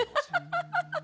ハハハハッ！